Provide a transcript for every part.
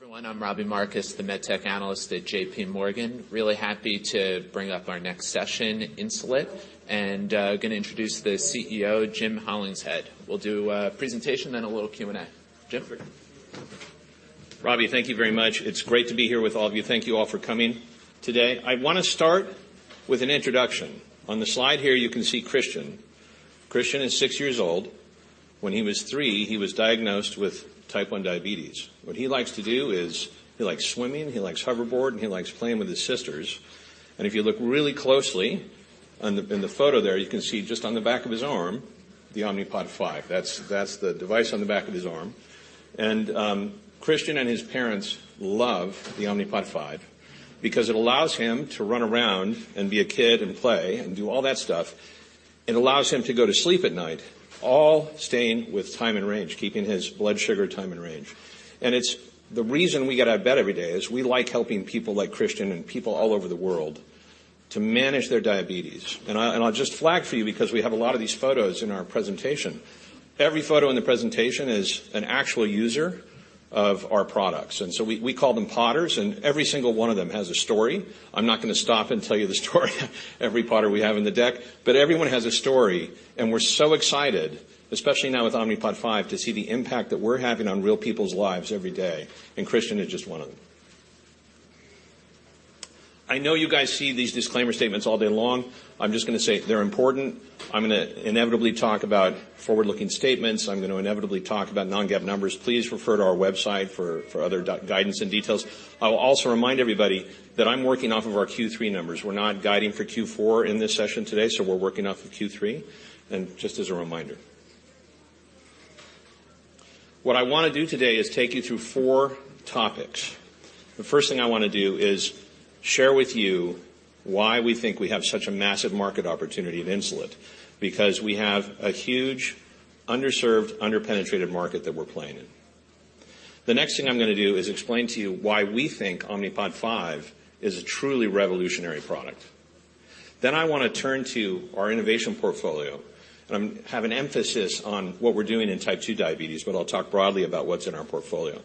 Hello, everyone. I'm Robbie Marcus, the med tech analyst at JPMorgan. Really happy to bring up our next session, Insulet, gonna introduce the CEO, Jim Hollingshead. We'll do a presentation then a little Q&A. Jim? Robbie, thank you very much. It's great to be here with all of you. Thank you all for coming today. I wanna start with an introduction. On the slide here, you can see Christian. Christian is six years old. When he was three, he was diagnosed with type 1 diabetes. What he likes to do is he likes swimming, he likes hoverboard, and he likes playing with his sisters. If you look really closely in the photo there, you can see just on the back of his arm, the Omnipod 5. That's the device on the back of his arm. Christian and his parents love the Omnipod 5 because it allows him to run around and be a kid and play and do all that stuff. It allows him to go to sleep at night, all staying with Time in Range, keeping his blood sugar Time in Range. It's the reason we get out of bed every day is we like helping people like Christian and people all over the world to manage their diabetes. I'll just flag for you because we have a lot of these photos in our presentation. Every photo in the presentation is an actual user of our products. We call them Podders, and every single one of them has a story. I'm not gonna stop and tell you the story of every Podder we have in the deck, but everyone has a story. We're so excited, especially now with Omnipod 5, to see the impact that we're having on real people's lives every day, and Christian is just one of them. I know you guys see these disclaimer statements all day long. I'm just gonna say they're important. I'm gonna inevitably talk about forward-looking statements. I'm gonna inevitably talk about non-GAAP numbers. Please refer to our website for other guidance and details. I will also remind everybody that I'm working off of our Q3 numbers. We're not guiding for Q4 in this session today. We're working off of Q3, just as a reminder. What I wanna do today is take you through four topics. The first thing I wanna do is share with you why we think we have such a massive market opportunity at Insulet. We have a huge, underserved, underpenetrated market that we're playing in. The next thing I'm gonna do is explain to you why we think Omnipod 5 is a truly revolutionary product. I wanna turn to our innovation portfolio. I'm have an emphasis on what we're doing in type 2 diabetes, but I'll talk broadly about what's in our portfolio.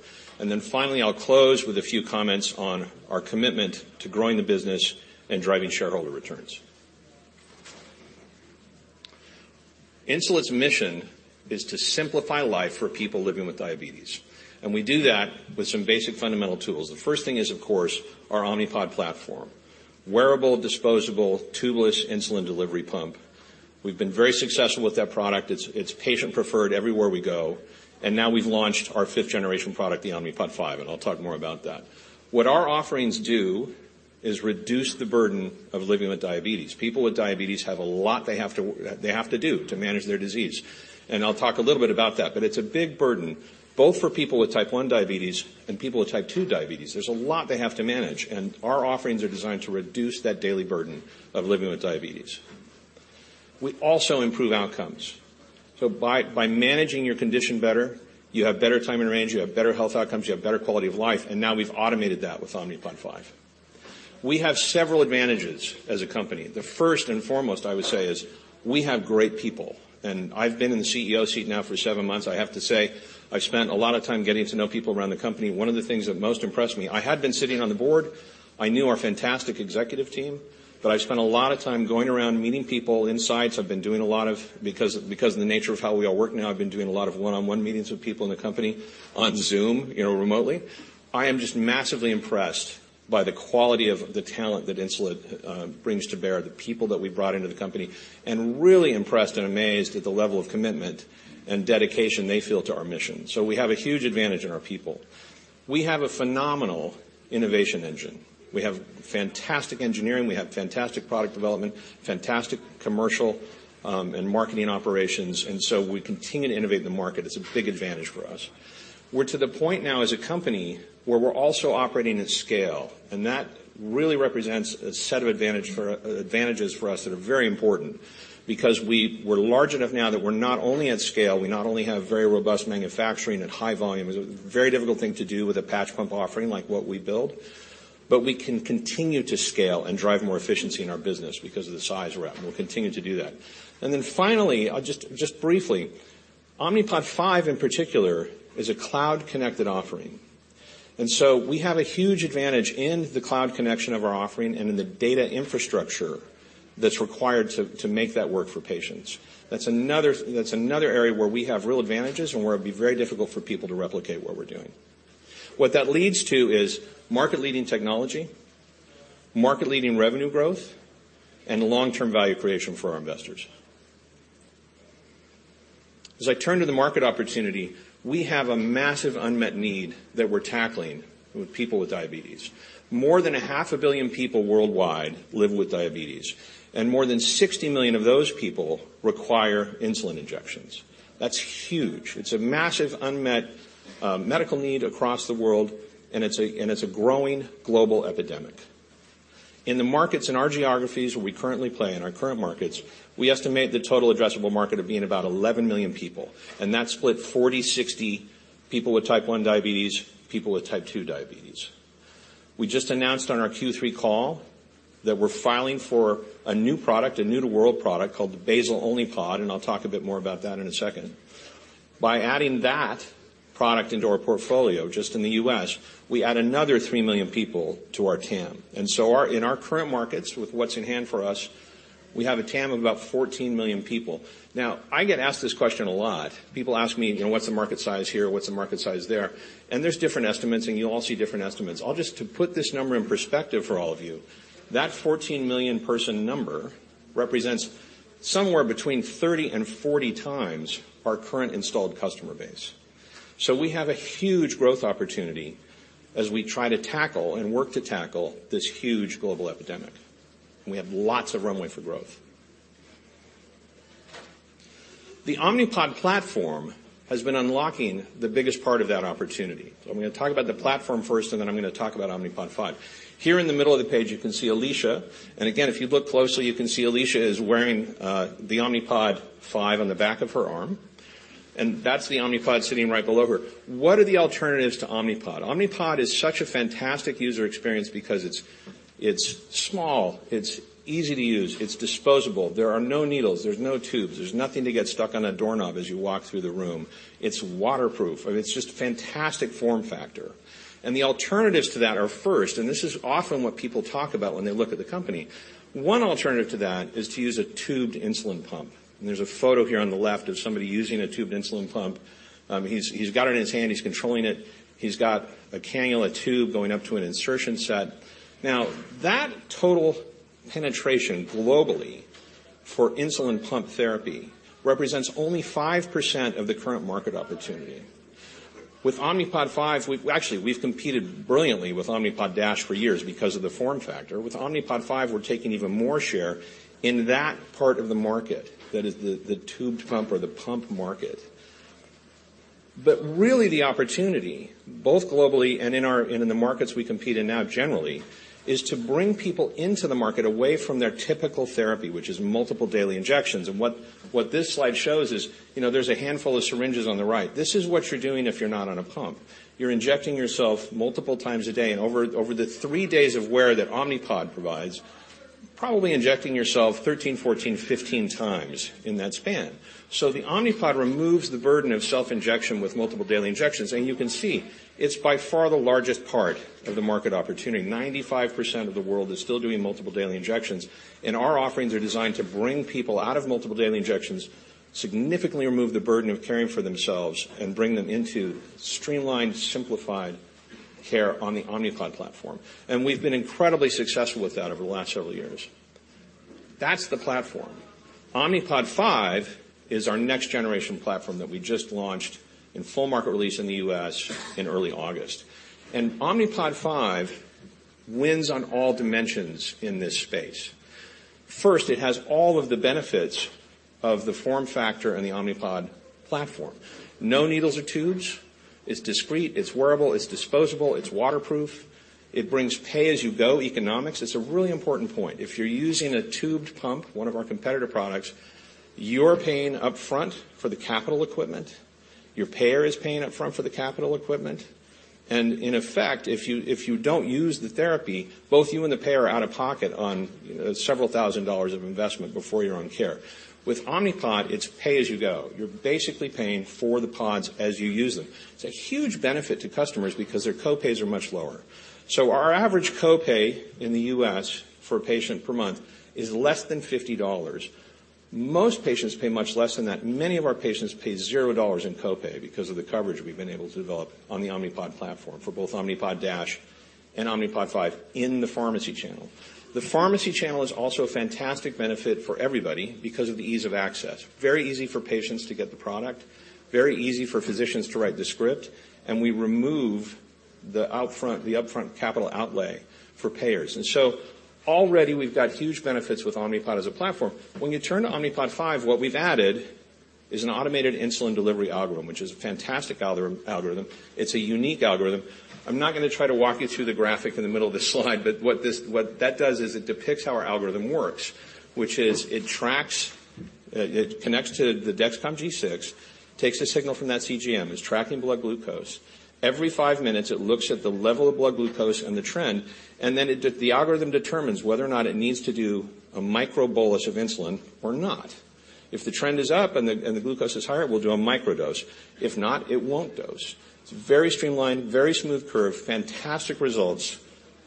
Finally, I'll close with a few comments on our commitment to growing the business and driving shareholder returns. Insulet's mission is to simplify life for people living with diabetes, and we do that with some basic fundamental tools. The first thing is, of course, our Omnipod platform. Wearable, disposable, tubeless insulin delivery pump. We've been very successful with that product. It's patient-preferred everywhere we go. Now we've launched our 5th generation product, the Omnipod 5, and I'll talk more about that. What our offerings do is reduce the burden of living with diabetes. People with diabetes have a lot they have to do to manage their disease, and I'll talk a little bit about that. It's a big burden, both for people with type one diabetes and people with type 2 diabetes. There's a lot they have to manage, and our offerings are designed to reduce that daily burden of living with diabetes. We also improve outcomes. By managing your condition better, you have better Time in Range, you have better health outcomes, you have better quality of life, and now we've automated that with Omnipod 5. We have several advantages as a company. The first and foremost I would say is we have great people. I've been in the CEO seat now for seven months. I have to say, I've spent a lot of time getting to know people around the company. One of the things that most impressed me, I had been sitting on the board. I knew our fantastic executive team. I've spent a lot of time going around meeting people in sites. I've been doing a lot of because of the nature of how we all work now, I've been doing a lot of one-on-one meetings with people in the company on Zoom, you know, remotely. I am just massively impressed by the quality of the talent that Insulet brings to bear, the people that we brought into the company, and really impressed and amazed at the level of commitment and dedication they feel to our mission. We have a huge advantage in our people. We have a phenomenal innovation engine. We have fantastic engineering. We have fantastic product development, fantastic commercial and marketing operations. We continue to innovate the market. It's a big advantage for us. We're to the point now as a company where we're also operating at scale, that really represents a set of advantages for us that are very important. We were large enough now that we're not only at scale, we not only have very robust manufacturing at high volume. It's a very difficult thing to do with a patch pump offering like what we build. We can continue to scale and drive more efficiency in our business because of the size we're at, we'll continue to do that. Finally, just briefly, Omnipod 5 in particular is a cloud-connected offering. We have a huge advantage in the cloud connection of our offering and in the data infrastructure that's required to make that work for patients. That's another area where we have real advantages and where it'd be very difficult for people to replicate what we're doing. What that leads to is market-leading technology, market-leading revenue growth, and long-term value creation for our investors. As I turn to the market opportunity, we have a massive unmet need that we're tackling with people with diabetes. More than a half a billion people worldwide live with diabetes, and more than 60 million of those people require insulin injections. That's huge. It's a massive unmet medical need across the world, and it's a growing global epidemic. In the markets in our geographies where we currently play in our current markets, we estimate the total addressable market of being about 11 million people, and that's split 40-60, people with type 1 diabetes, people with type 2 diabetes. We just announced on our Q3 call that we're filing for a new product, a new-to-world product called the Basal-Only Pod, and I'll talk a bit more about that in a second. By adding that product into our portfolio, just in the U.S., we add another 3 million people to our TAM. In our current markets, with what's in hand for us, we have a TAM of about 14 million people. Now, I get asked this question a lot. People ask me, you know, "What's the market size here? What's the market size there?" There's different estimates, and you'll all see different estimates. To put this number in perspective for all of you, that 14 million person number represents somewhere between 30 and 40 times our current installed customer base. We have a huge growth opportunity as we try to work to tackle this huge global epidemic. We have lots of runway for growth. The Omnipod platform has been unlocking the biggest part of that opportunity. I'm gonna talk about the platform first, and then I'm gonna talk about Omnipod 5. Here in the middle of the page, you can see Alicia. Again, if you look closely, you can see Alicia is wearing the Omnipod 5 on the back of her arm. That's the Omnipod sitting right below her. What are the alternatives to Omnipod? Omnipod is such a fantastic user experience because it's small, it's easy to use, it's disposable. There are no needles. There's no tubes. There's nothing to get stuck on a doorknob as you walk through the room. It's waterproof. I mean, it's just fantastic form factor. The alternatives to that are first, and this is often what people talk about when they look at the company. One alternative to that is to use a tubed insulin pump. There's a photo here on the left of somebody using a tubed insulin pump. He's got it in his hand. He's controlling it. He's got a cannula tube going up to an insertion set. Now, that total penetration globally for insulin pump therapy represents only 5% of the current market opportunity. With Omnipod 5, actually, we've competed brilliantly with Omnipod DASH for years because of the form factor. With Omnipod 5, we're taking even more share in that part of the market that is the tubed pump or the pump market. Really the opportunity, both globally and in the markets we compete in now generally, is to bring people into the market away from their typical therapy, which is multiple daily injections. What this slide shows is, you know, there's a handful of syringes on the right. This is what you're doing if you're not on a pump. You're injecting yourself multiple times a day. Over the three days of wear that Omnipod provides, probably injecting yourself 13, 14, 15 times in that span. The Omnipod removes the burden of self-injection with multiple daily injections. You can see it's by far the largest part of the market opportunity. 95% of the world is still doing multiple daily injections. Our offerings are designed to bring people out of multiple daily injections, significantly remove the burden of caring for themselves, and bring them into streamlined, simplified care on the Omnipod platform. We've been incredibly successful with that over the last several years. That's the platform. Omnipod 5 is our next generation platform that we just launched in full market release in the U.S. in early August. Omnipod 5 wins on all dimensions in this space. First, it has all of the benefits of the form factor in the Omnipod platform. No needles or tubes. It's discreet, it's wearable, it's disposable, it's waterproof. It brings pay-as-you-go economics. It's a really important point. If you're using a tubed pump, one of our competitor products, you're paying up front for the capital equipment. Your payer is paying up front for the capital equipment. In effect, if you don't use the therapy, both you and the payer are out of pocket on several thousand dollars of investment before you're on care. With Omnipod, it's pay as you go. You're basically paying for the pods as you use them. It's a huge benefit to customers because their copays are much lower. Our average copay in the U.S. for a patient per month is less than $50. Most patients pay much less than that. Many of our patients pay $0 in copay because of the coverage we've been able to develop on the Omnipod platform for both Omnipod DASH and Omnipod 5 in the pharmacy channel. The pharmacy channel is also a fantastic benefit for everybody because of the ease of access. Very easy for patients to get the product, very easy for physicians to write the script, and we remove the upfront capital outlay for payers. Already we've got huge benefits with Omnipod as a platform. When you turn to Omnipod 5, what we've added is an automated insulin delivery algorithm, which is a fantastic algorithm. It's a unique algorithm. I'm not gonna try to walk you through the graphic in the middle of this slide, but what that does is it depicts how our algorithm works, which is it tracks, it connects to the Dexcom G6, takes a signal from that CGM, is tracking blood glucose. Every five minutes, it looks at the level of blood glucose and the trend, and then the algorithm determines whether or not it needs to do a microbolus of insulin or not. If the trend is up and the glucose is higher, it will do a micro dose. If not, it won't dose. It's very streamlined, very smooth curve, fantastic results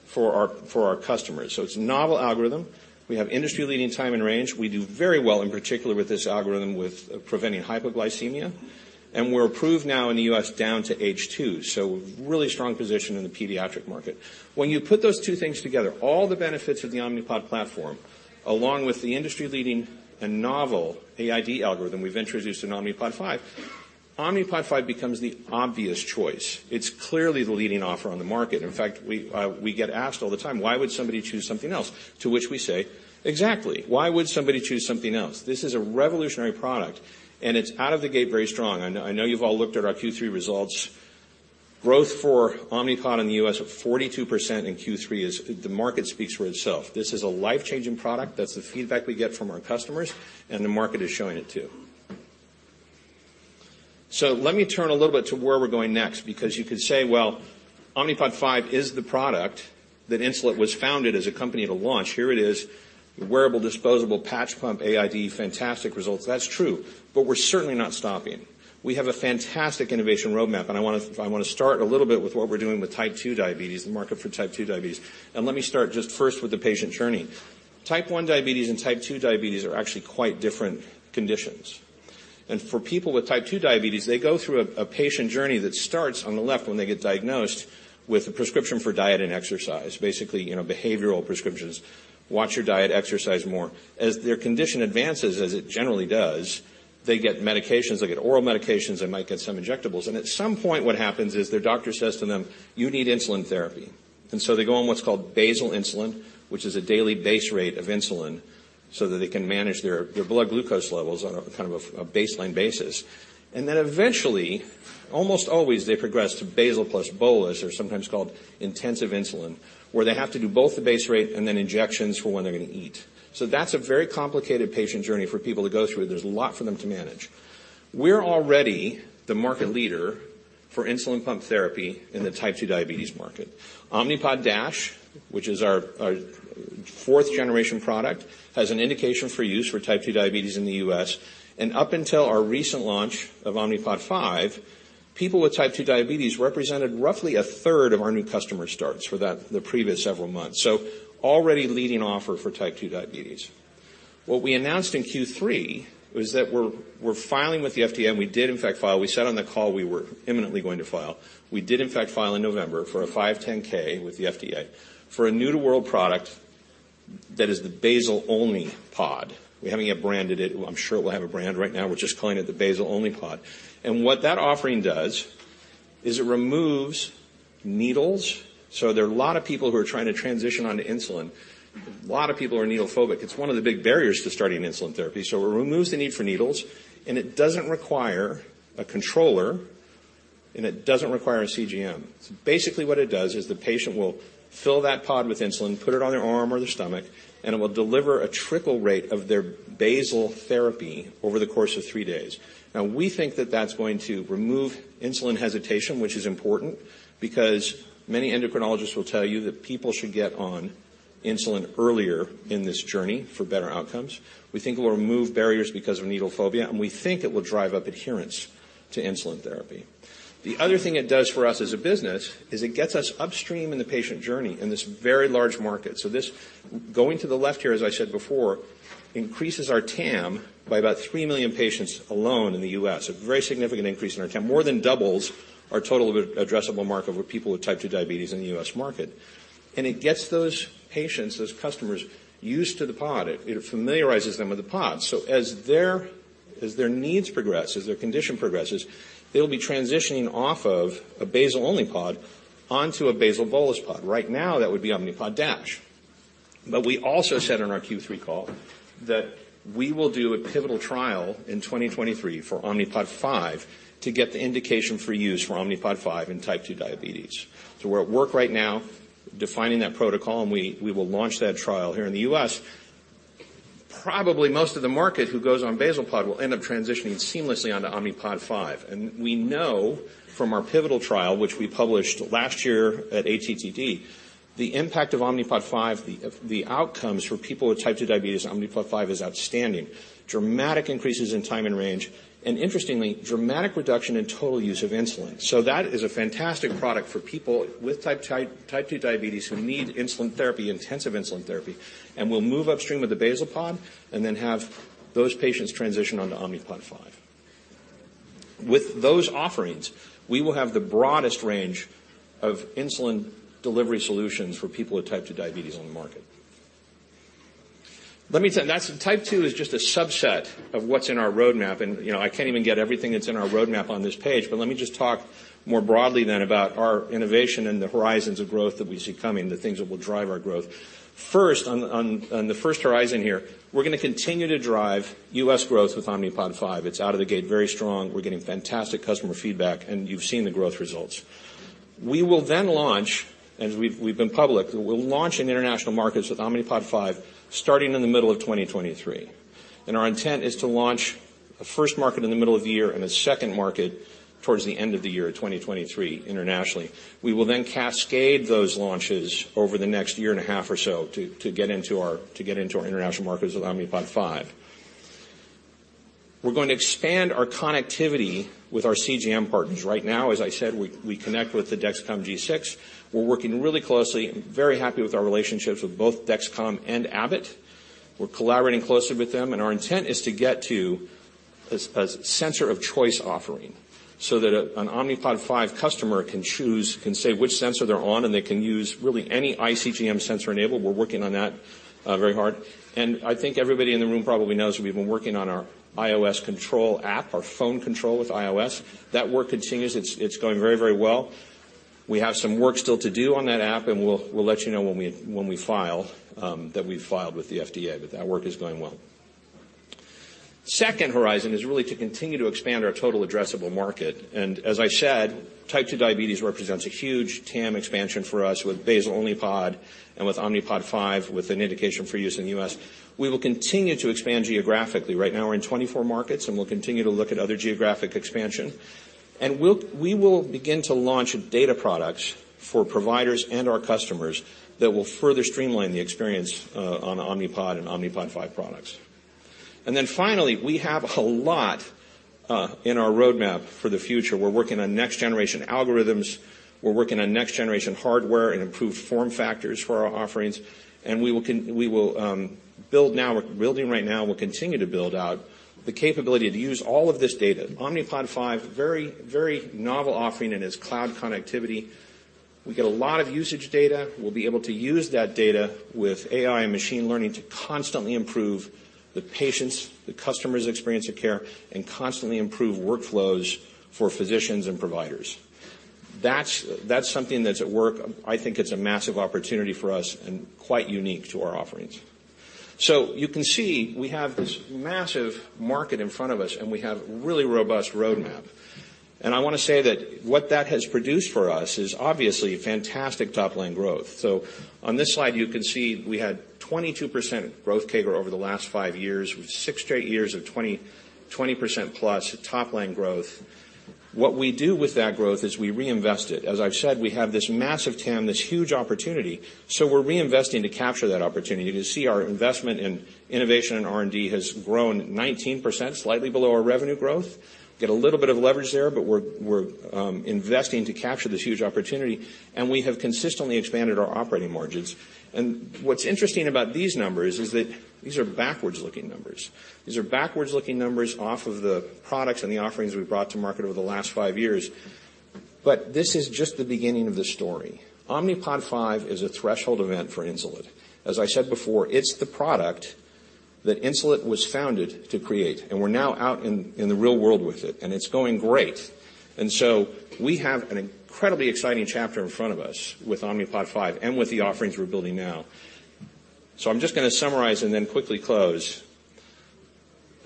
for our customers. It's a novel algorithm. We have industry-leading Time in Range. We do very well, in particular with this algorithm, with preventing hypoglycemia. We're approved now in the U.S. down to age two, really strong position in the pediatric market. When you put those two things together, all the benefits of the Omnipod platform, along with the industry-leading and novel AID algorithm we've introduced in Omnipod 5, Omnipod 5 becomes the obvious choice. It's clearly the leading offer on the market. In fact, we get asked all the time, "Why would somebody choose something else?" To which we say, "Exactly. Why would somebody choose something else?" This is a revolutionary product, and it's out of the gate very strong. I know, I know you've all looked at our Q3 results. Growth for Omnipod in the U.S. of 42% in Q3 is. The market speaks for itself. This is a life-changing product. That's the feedback we get from our customers, and the market is showing it too. Let me turn a little bit to where we're going next, because you could say, well, Omnipod 5 is the product that Insulet was founded as a company to launch. Here it is, wearable, disposable patch pump AID, fantastic results. That's true, we're certainly not stopping. We have a fantastic innovation roadmap, I wanna start a little bit with what we're doing with Type 2 diabetes, the market for Type 2 diabetes. Let me start just first with the patient journey. Type 1 diabetes and type 2 diabetes are actually quite different conditions. For people with type 2 diabetes, they go through a patient journey that starts on the left when they get diagnosed with a prescription for diet and exercise. Basically, you know, behavioral prescriptions. Watch your diet, exercise more. As their condition advances, as it generally does, they get medications, oral medications, they might get some injectables. At some point, what happens is their doctor says to them, "You need insulin therapy." They go on what's called basal insulin, which is a daily base rate of insulin, so that they can manage their blood glucose levels on a kind of a baseline basis. Eventually, almost always, they progress to basal plus bolus, or sometimes called intensive insulin, where they have to do both the base rate and then injections for when they're gonna eat. That's a very complicated patient journey for people to go through. There's a lot for them to manage. We're already the market leader for insulin pump therapy in the type 2 diabetes market. Omnipod DASH, which is our fourth generation product, has an indication for use for type 2 diabetes in the U.S. Up until our recent launch of Omnipod 5, people with type 2 diabetes represented roughly a third of our new customer starts for the previous several months. Already leading offer for type 2 diabetes. What we announced in Q3 was that we're filing with the FDA, and we did in fact file. We said on the call we were imminently going to file. We did in fact file in November for a 510(k) with the FDA for a new-to-world product that is the basal-only Pod. We haven't yet branded it. I'm sure it will have a brand. Right now we're just calling it the basal-only Pod. What that offering does is it removes needles. There are a lot of people who are trying to transition onto insulin. A lot of people are needle phobic. It's one of the big barriers to starting insulin therapy. It removes the need for needles, and it doesn't require a controller, and it doesn't require a CGM. Basically what it does is the patient will fill that Pod with insulin, put it on their arm or their stomach, and it will deliver a trickle rate of their basal therapy over the course of 3 days. We think that that's going to remove insulin hesitation, which is important because many endocrinologists will tell you that people should get on insulin earlier in this journey for better outcomes. We think it will remove barriers because of needle phobia, and we think it will drive up adherence to insulin therapy. The other thing it does for us as a business is it gets us upstream in the patient journey in this very large market. This, going to the left here, as I said before, increases our TAM by about 3 million patients alone in the US. A very significant increase in our TAM. More than doubles our total addressable market with people with Type 2 diabetes in the U.S. market. It gets those patients, those customers used to the Pod. It familiarizes them with the Pod. As their needs progress, as their condition progresses, they'll be transitioning off of a basal-only Pod onto a basal-bolus Pod. Right now that would be Omnipod DASH. We also said on our Q3 call that we will do a pivotal trial in 2023 for Omnipod 5 to get the indication for use for Omnipod 5 in Type 2 diabetes. We're at work right now defining that protocol, and we will launch that trial here in the U.S. Probably most of the market who goes on basal Pod will end up transitioning seamlessly onto Omnipod 5. We know from our pivotal trial, which we published last year at ATTD, the impact of Omnipod 5, the outcomes for people with type 2 diabetes, Omnipod 5 is outstanding. Dramatic increases in Time in Range, and interestingly, dramatic reduction in total use of insulin. That is a fantastic product for people with type 2 diabetes who need insulin therapy, intensive insulin therapy, and will move upstream with the basal Pod and then have those patients transition onto Omnipod 5. With those offerings, we will have the broadest range of insulin delivery solutions for people with type 2 diabetes on the market. Let me tell. That's. Type 2 is just a subset of what's in our roadmap and, you know, I can't even get everything that's in our roadmap on this page. Let me just talk more broadly then about our innovation and the horizons of growth that we see coming, the things that will drive our growth. First, on the first horizon here, we're gonna continue to drive U.S. growth with Omnipod 5. It's out of the gate very strong. We're getting fantastic customer feedback, and you've seen the growth results. We will then launch, as we've been public, we'll launch in international markets with Omnipod 5 starting in the middle of 2023. Our intent is to launch a first market in the middle of the year and a second market towards the end of the year 2023 internationally. We will then cascade those launches over the next year and a half or so to get into our international markets with Omnipod 5. We're going to expand our connectivity with our CGM partners. Right now, as I said, we connect with the Dexcom G6. We're working really closely and very happy with our relationships with both Dexcom and Abbott. Our intent is to get to a sensor of choice offering so that an Omnipod 5 customer can choose, can say which sensor they're on, and they can use really any iCGM sensor enabled. We're working on that very hard. I think everybody in the room probably knows we've been working on our iOS control app, our phone control with iOS. That work continues. It's going very, very well. We have some work still to do on that app, and we'll let you know when we file that we've filed with the FDA. That work is going well. Second horizon is really to continue to expand our total addressable market. As I said, type 2 diabetes represents a huge TAM expansion for us with basal-only Pod and with Omnipod 5, with an indication for use in the U.S. We will continue to expand geographically. Right now we're in 24 markets, we'll continue to look at other geographic expansion. We will begin to launch data products for providers and our customers that will further streamline the experience on Omnipod and Omnipod 5 products. Finally, we have a lot in our roadmap for the future. We're working on next-generation algorithms. We're working on next-generation hardware and improved form factors for our offerings. We will build right now, we'll continue to build out the capability to use all of this data. Omnipod 5, very, very novel offering and its cloud connectivity. We get a lot of usage data. We'll be able to use that data with AI and machine learning to constantly improve the patients, the customers' experience of care, and constantly improve workflows for physicians and providers. That's something that's at work. I think it's a massive opportunity for us and quite unique to our offerings. You can see we have this massive market in front of us, and we have a really robust roadmap. I wanna say that what that has produced for us is obviously fantastic top-line growth. On this slide, you can see we had 22% growth CAGR over the last five years, with six straight years of 20%, 20%+ top-line growth. What we do with that growth is we reinvest it. As I've said, we have this massive TAM, this huge opportunity. We're reinvesting to capture that opportunity. You can see our investment in innovation and R&D has grown 19%, slightly below our revenue growth. Get a little bit of leverage there. We're investing to capture this huge opportunity, and we have consistently expanded our operating margins. What's interesting about these numbers is that these are backwards-looking numbers. These are backwards-looking numbers off of the products and the offerings we've brought to market over the last five years. This is just the beginning of the story. Omnipod 5 is a threshold event for Insulet. As I said before, it's the product that Insulet was founded to create. We're now out in the real world with it. It's going great. We have an incredibly exciting chapter in front of us with Omnipod 5 and with the offerings we're building now. I'm just gonna summarize and then quickly close.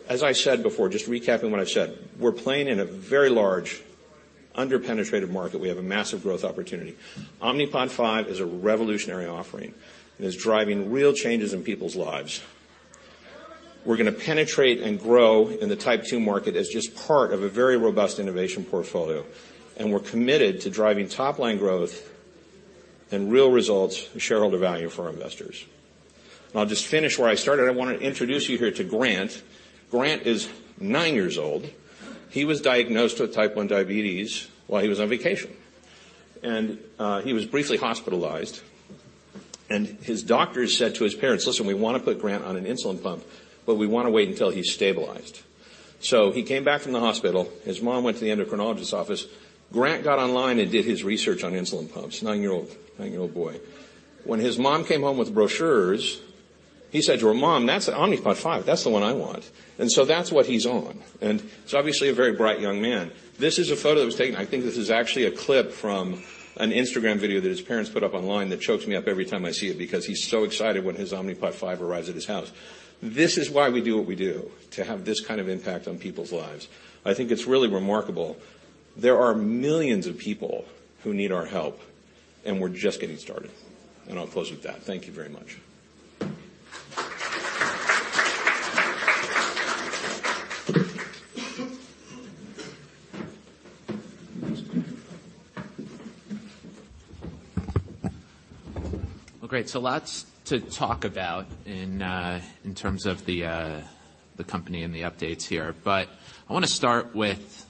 As I said before, just recapping what I've said, we're playing in a very large under-penetrated market. We have a massive growth opportunity. Omnipod 5 is a revolutionary offering and is driving real changes in people's lives. We're gonna penetrate and grow in the type 2 market as just part of a very robust innovation portfolio. We're committed to driving top-line growth and real results shareholder value for our investors. I'll just finish where I started. I wanna introduce you here to Grant. Grant is nine years old. He was diagnosed with type 1 diabetes while he was on vacation. He was briefly hospitalized. His doctors said to his parents, "Listen, we wanna put Grant on an insulin pump, but we wanna wait until he's stabilized." He came back from the hospital. His mom went to the endocrinologist's office. Grant got online and did his research on insulin pumps. 9-year-old boy. When his mom came home with brochures, he said to her, "Mom, that's an Omnipod 5. That's the one I want." That's what he's on. He's obviously a very bright young man. This is a photo that was taken. I think this is actually a clip from an Instagram video that his parents put up online that chokes me up every time I see it because he's so excited when his Omnipod 5 arrives at his house. This is why we do what we do, to have this kind of impact on people's lives. I think it's really remarkable. There are millions of people who need our help. We're just getting started. I'll close with that. Thank you very much. Well, great. Lots to talk about in terms of the company and the updates here. I wanna start with a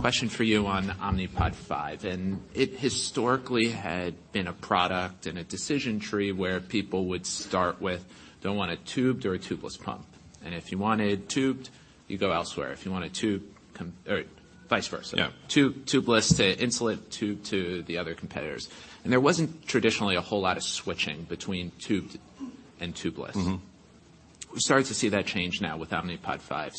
question for you on Omnipod 5. It historically had been a product and a decision tree where people would start with, "Do I want a tubed or a tubeless pump?" If you wanted tubed, you go elsewhere. If you wanted tube, or vice versa. Yeah. Tube-tubeless to Insulet, tube to the other competitors. There wasn't traditionally a whole lot of switching between tubed and tubeless. Mm-hmm. We're starting to see that change now with Omnipod 5.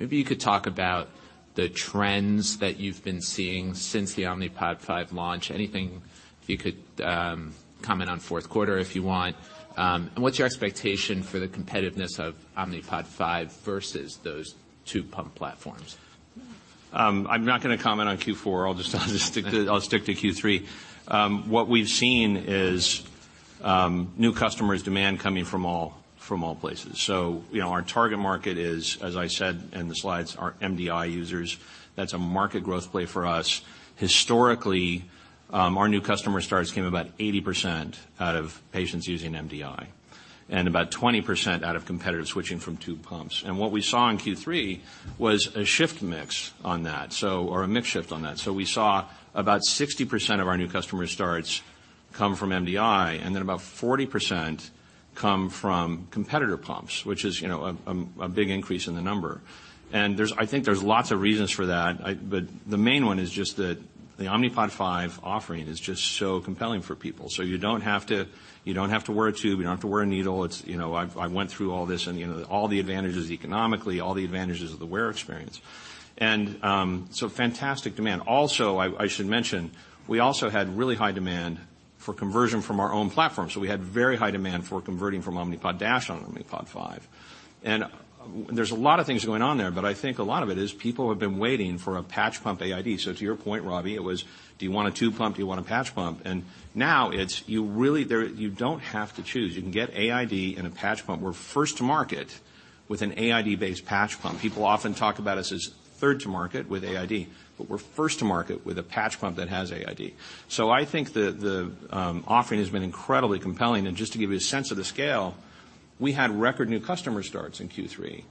Maybe you could talk about the trends that you've been seeing since the Omnipod 5 launch. Anything you could comment on fourth quarter if you want. What's your expectation for the competitiveness of Omnipod 5 versus those two pump platforms? I'm not gonna comment on Q4. I'll just stick to Q3. What we've seen is new customers' demand coming from all places. You know, our target market is, as I said in the slides, are MDI users. That's a market growth play for us. Historically, our new customer starts came about 80% out of patients using MDI and about 20% out of competitive switching from tube pumps. What we saw in Q3 was a shift mix on that, so or a mix shift on that. We saw about 60% of our new customer starts come from MDI, and then about 40% come from competitor pumps, which is, you know, a big increase in the number. I think there's lots of reasons for that. The main one is just that the Omnipod 5 offering is just so compelling for people. You don't have to, you don't have to wear a tube. You don't have to wear a needle. It's, you know, I went through all this and, you know, all the advantages economically, all the advantages of the wear experience. fantastic demand. Also, I should mention, we also had really high demand for conversion from our own platform. We had very high demand for converting from Omnipod DASH on Omnipod 5. There's a lot of things going on there, but I think a lot of it is people have been waiting for a patch pump AID. To your point, Robbie, it was, "Do you want a tube pump? Do you want a patch pump?" Now it's you don't have to choose. You can get AID and a patch pump. We're first to market with an AID-based patch pump. People often talk about us as third to market with AID, we're first to market with a patch pump that has AID. I think the offering has been incredibly compelling. Just to give you a sense of the scale. We had record new customer starts in Q3.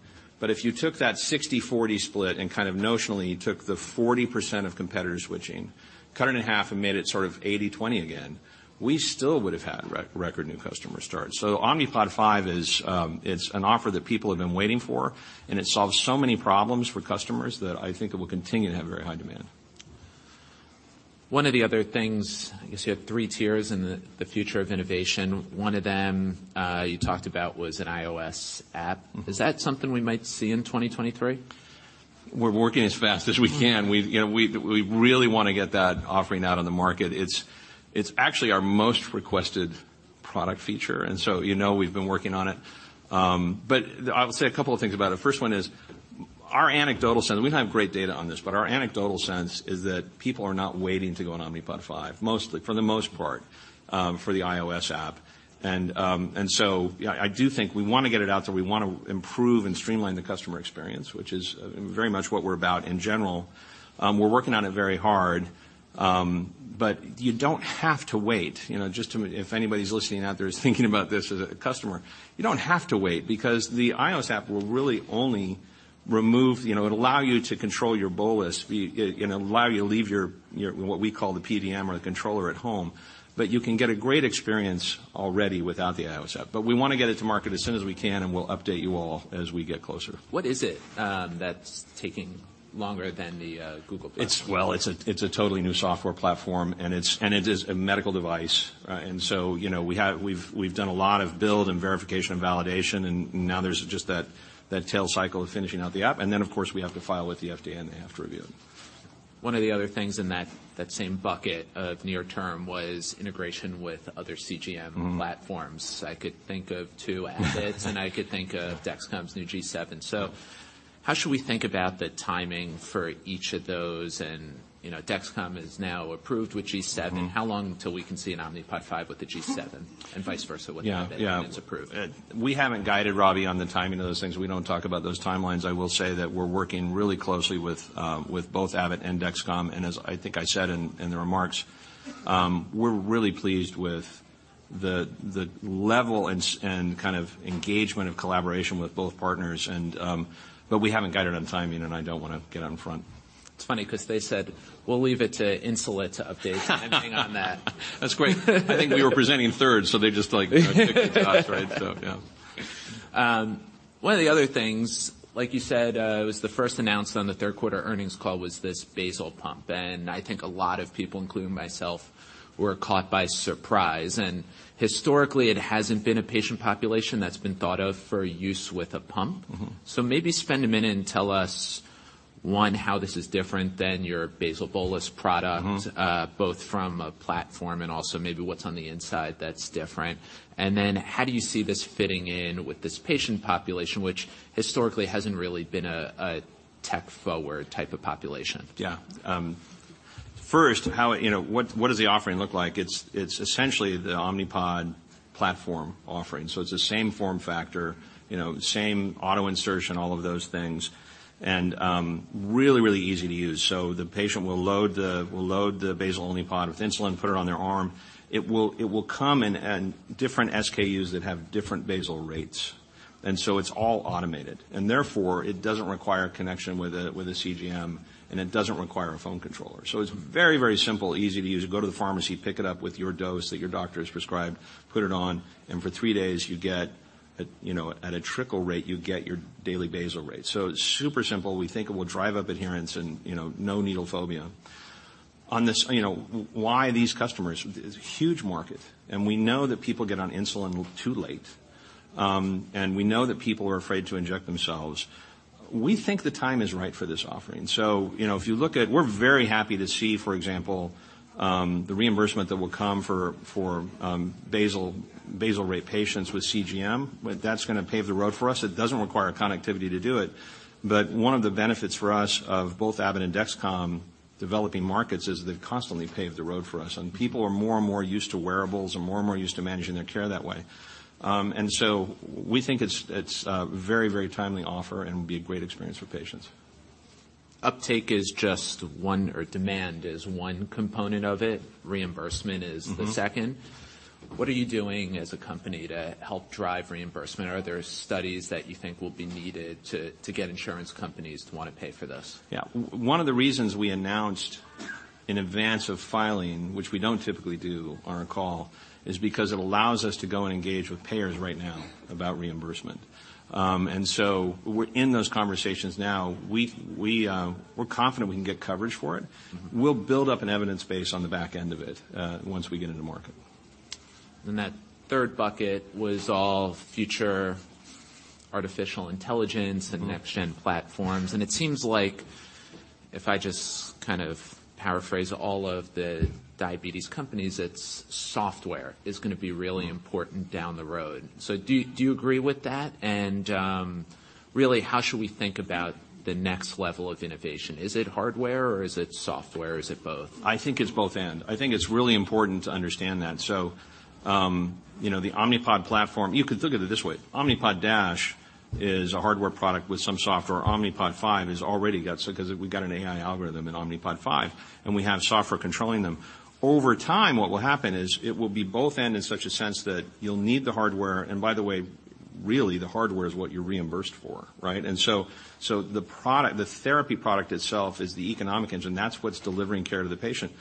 If you took that 60/40 split and kind of notionally took the 40% of competitor switching, cut it in half, and made it sort of 80/20 again, we still would have had record new customer starts. Omnipod 5 is, it's an offer that people have been waiting for, and it solves so many problems for customers that I think it will continue to have very high demand. One of the other things, I guess you had three tiers in the future of innovation. One of them, you talked about was an iOS app. Mm-hmm. Is that something we might see in 2023? We're working as fast as we can. You know, we really wanna get that offering out on the market. It's actually our most requested product feature, you know we've been working on it. I'll say a couple of things about it. First one is, our anecdotal sense, we don't have great data on this, but our anecdotal sense is that people are not waiting to go on Omnipod 5, mostly, for the most part, for the iOS app. I do think we wanna get it out there. We wanna improve and streamline the customer experience, which is very much what we're about in general. We're working on it very hard. You don't have to wait. You know, if anybody's listening out there is thinking about this as a customer, you don't have to wait because the iOS app will really only remove, you know, it'll allow you to control your bolus. It allow you to leave your, what we call the PDM or the controller at home. You can get a great experience already without the iOS app. We wanna get it to market as soon as we can, and we'll update you all as we get closer. What is it, that's taking longer than the Google platform? Well, it's a totally new software platform, and it is a medical device. you know, we've done a lot of build and verification and validation, and now there's just that tail cycle of finishing out the app. Then, of course, we have to file with the FDA, and they have to review it. One of the other things in that same bucket of near term was integration with other CGM platforms. Mm-hmm. I could think of two assets, and I could think of Dexcom's new G7. How should we think about the timing for each of those? You know, Dexcom is now approved with G7. Mm-hmm. How long till we can see an Omnipod 5 with the G7 and vice versa with Abbott-? Yeah, yeah. once it's approved? We haven't guided, Robbie, on the timing of those things. We don't talk about those timelines. I will say that we're working really closely with both Abbott and Dexcom. As I think I said in the remarks, we're really pleased with the level and kind of engagement and collaboration with both partners, but we haven't guided on timing, and I don't wanna get out in front. It's funny 'cause they said, "We'll leave it to Insulet to update anything on that. That's great. I think we were presenting third, so they just kicked it to us, right? Yeah. One of the other things, like you said, it was the first announced on the third quarter earnings call was this basal pump. I think a lot of people, including myself, were caught by surprise. Historically, it hasn't been a patient population that's been thought of for use with a pump. Mm-hmm. Maybe spend a minute and tell us, one, how this is different than your basal-bolus product? Mm-hmm... both from a platform and also maybe what's on the inside that's different. How do you see this fitting in with this patient population, which historically hasn't really been a tech-forward type of population? First, how, you know, what does the offering look like? It's, it's essentially the Omnipod platform offering. It's the same form factor, you know, same auto insertion, all of those things. Really, really easy to use. The patient will load the Basal-Only Pod with insulin, put it on their arm. It will come in different SKUs that have different basal rates. It's all automated, and therefore, it doesn't require connection with a CGM, and it doesn't require a phone controller. It's very, very simple, easy to use. Go to the pharmacy, pick it up with your dose that your doctor has prescribed, put it on, and for three days, you get, you know, at a trickle rate, you get your daily basal rate. It's super simple. We think it will drive up adherence and, you know, no needle phobia. On this, you know, why these customers? It's a huge market. We know that people get on insulin too late. We know that people are afraid to inject themselves. We think the time is right for this offering. You know, we're very happy to see, for example, the reimbursement that will come for basal rate patients with CGM. That's gonna pave the road for us. It doesn't require connectivity to do it. One of the benefits for us of both Abbott and Dexcom developing markets is they've constantly paved the road for us, and people are more and more used to wearables and more and more used to managing their care that way. We think it's a very, very timely offer and will be a great experience for patients. Uptake is just one or demand is one component of it. Mm-hmm... the second. What are you doing as a company to help drive reimbursement? Are there studies that you think will be needed to get insurance companies to wanna pay for this? Yeah. One of the reasons we announced in advance of filing, which we don't typically do on our call, is because it allows us to go and engage with payers right now about reimbursement. We're in those conversations now. We're confident we can get coverage for it. Mm-hmm. We'll build up an evidence base on the back end of it, once we get into market. That third bucket was all future artificial intelligence. Mm-hmm... and next gen platforms. It seems like if I just kind of paraphrase all of the diabetes companies, it's software is going to be really important down the road. Do you agree with that? Really, how should we think about the next level of innovation? Is it hardware, or is it software, or is it both? I think it's both and. I think it's really important to understand that. You know, the Omnipod platform. You could look at it this way. Omnipod DASH is a hardware product with some software. Because we've got an AI algorithm in Omnipod 5, and we have software controlling them. Over time, what will happen is it will be both and in such a sense that you'll need the hardware. By the way, really the hardware is what you're reimbursed for, right? The product, the therapy product itself is the economic engine. That's what's delivering care to the patient.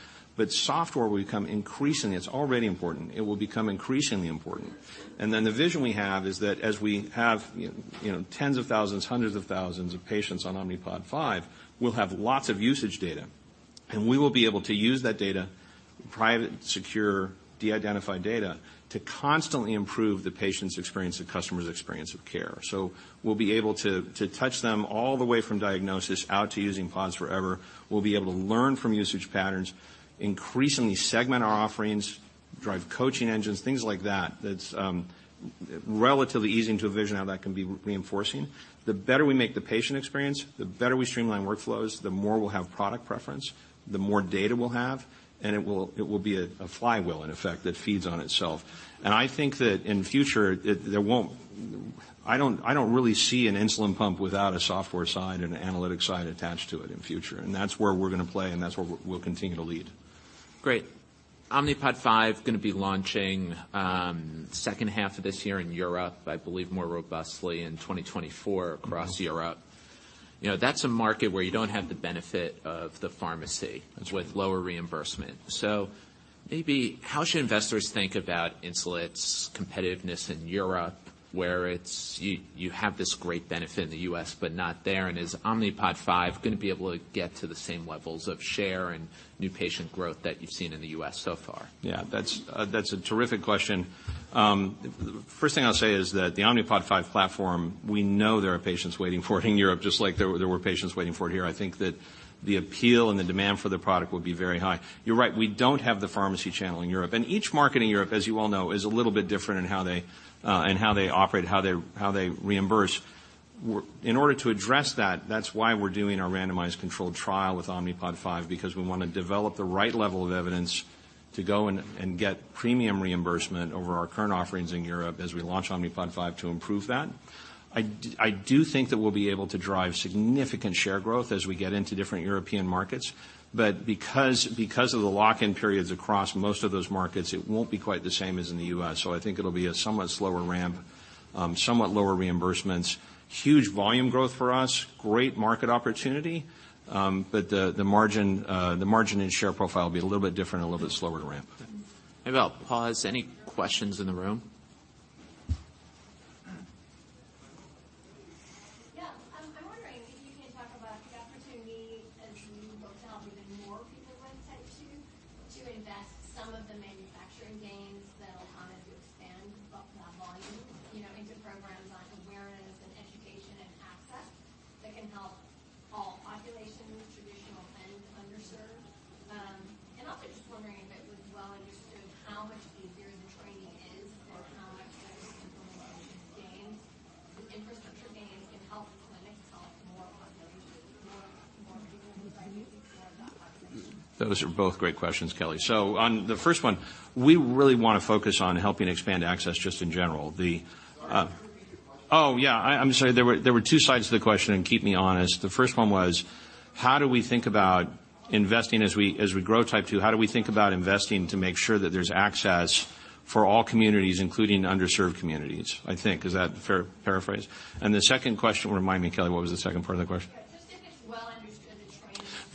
Software will become increasingly. It's already important. It will become increasingly important. The vision we have is that as we have, you know, tens of thousands, hundreds of thousands of patients on Omnipod 5, we'll have lots of usage data, and we will be able to use that data, private, secure, de-identified data, to constantly improve the patient's experience, the customer's experience of care. We'll be able to touch them all the way from diagnosis out to using pods forever. We'll be able to learn from usage patterns, increasingly segment our offerings, drive coaching engines, things like that. That's relatively easy to envision how that can be reinforcing. The better we make the patient experience, the better we streamline workflows, the more we'll have product preference, the more data we'll have, and it will be a flywheel in effect that feeds on itself. I think that in future, I don't really see an insulin pump without a software side and an analytic side attached to it in future. That's where we're gonna play, and that's where we'll continue to lead. Great. Omnipod 5 gonna be launching, second half of this year in Europe, I believe more robustly in 2024 across Europe. You know, that's a market where you don't have the benefit of the pharmacy-. That's right. with lower reimbursement. Maybe how should investors think about Insulet's competitiveness in Europe, where it's you have this great benefit in the U.S., but not there? Is Omnipod 5 gonna be able to get to the same levels of share and new patient growth that you've seen in the U.S. so far? Yeah. That's a terrific question. First thing I'll say is that the Omnipod 5 platform, we know there are patients waiting for it in Europe, just like there were patients waiting for it here. I think that the appeal and the demand for the product will be very high. You're right, we don't have the pharmacy channel in Europe. Each market in Europe, as you well know, is a little bit different in how they operate, how they reimburse. In order to address that's why we're doing our randomized controlled trial with Omnipod 5, because we wanna develop the right level of evidence to go and get premium reimbursement over our current offerings in Europe as we launch Omnipod 5 to improve that. I do think that we'll be able to drive significant share growth as we get into different European markets. Because of the lock-in periods across most of those markets, it won't be quite the same as in the U.S. I think it'll be a somewhat slower ramp, somewhat lower reimbursements. Huge volume growth for us, great market opportunity, but the margin, the margin and share profile will be a little bit different and a little bit slower to ramp. Maybe I'll pause. Any questions in the room?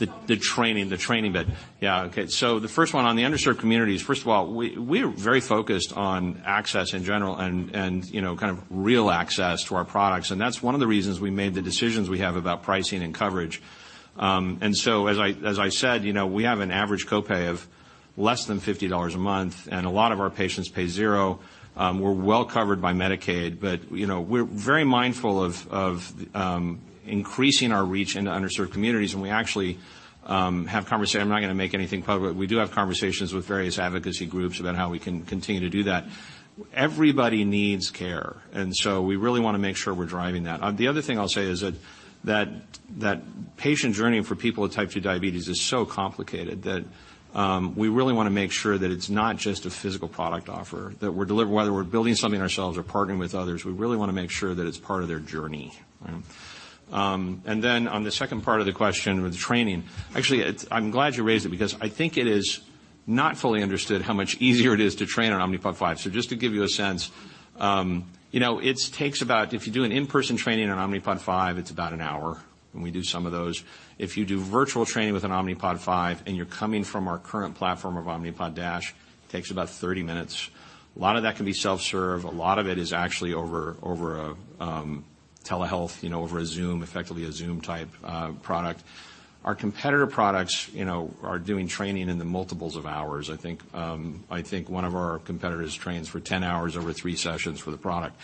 Yeah. Just if it's well understood, the training component. The training. The training bit. Yeah. Okay. The first one on the underserved communities. First of all, we're very focused on access in general and, you know, kind of real access to our products, and that's one of the reasons we made the decisions we have about pricing and coverage. As I said, you know, we have an average copay of less than $50 a month, and a lot of our patients pay zero. We're well covered by Medicaid, but, you know, we're very mindful of increasing our reach into underserved communities, and we actually have conversations. I'm not gonna make anything public. We do have conversations with various advocacy groups about how we can continue to do that. Everybody needs care. We really wanna make sure we're driving that. The other thing I'll say is that patient journey for people with type 2 diabetes is so complicated that we really wanna make sure that it's not just a physical product offer. That we're whether we're building something ourselves or partnering with others, we really wanna make sure that it's part of their journey. On the second part of the question with training, actually, I'm glad you raised it because I think it is not fully understood how much easier it is to train on Omnipod 5. Just to give you a sense, you know, if you do an in-person training on Omnipod 5, it's about an hour, and we do some of those. If you do virtual training with an Omnipod 5 and you're coming from our current platform of Omnipod DASH, takes about 30 minutes. A lot of that can be self-serve. A lot of it is actually over a telehealth, you know, over a Zoom, effectively a Zoom type product. Our competitor products, you know, are doing training in the multiples of hours. I think one of our competitors trains for 10 hours over three sessions for the product.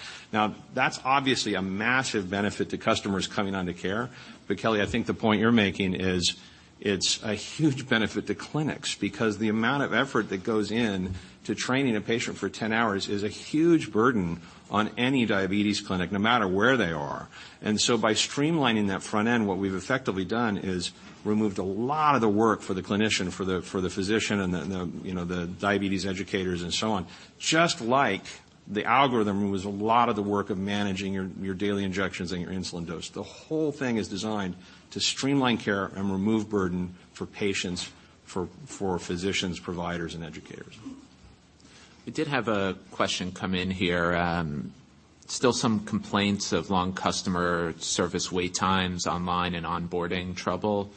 That's obviously a massive benefit to customers coming onto care. Kelly, I think the point you're making is it's a huge benefit to clinics because the amount of effort that goes in to training a patient for 10 hours is a huge burden on any diabetes clinic, no matter where they are. By streamlining that front end, what we've effectively done is removed a lot of the work for the clinician, for the physician and you know, the diabetes educators and so on. Just like the algorithm removes a lot of the work of managing your daily injections and your insulin dose. The whole thing is designed to streamline care and remove burden for patients, for physicians, providers, and educators. We did have a question come in here. Still some complaints of long customer service wait times online and onboarding trouble.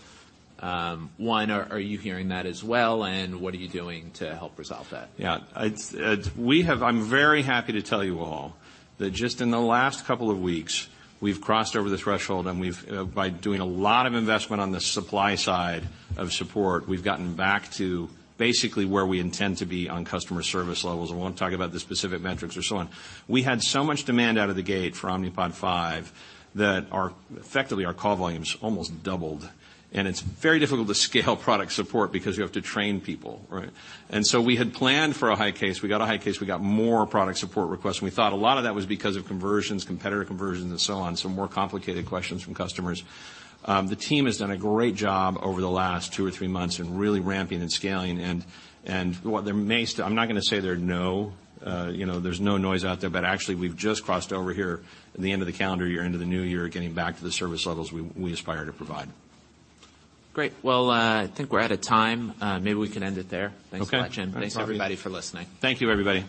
One, are you hearing that as well, and what are you doing to help resolve that? Yeah. I'm very happy to tell you all that just in the last couple of weeks, we've crossed over the threshold, and we've by doing a lot of investment on the supply side of support, we've gotten back to basically where we intend to be on customer service levels. I won't talk about the specific metrics or so on. We had so much demand out of the gate for Omnipod 5 that effectively our call volumes almost doubled. It's very difficult to scale product support because you have to train people, right? We had planned for a high case. We got a high case. We got more product support requests, and we thought a lot of that was because of conversions, competitor conversions and so on. Some more complicated questions from customers. The team has done a great job over the last two or three months in really ramping and scaling, I'm not gonna say there are no, you know, there's no noise out there, but actually we've just crossed over here at the end of the calendar year into the new year, getting back to the service levels we aspire to provide. Great. Well, I think we're out of time. Maybe we can end it there. Okay. Thanks so much, and thanks everybody for listening. Thank you, everybody.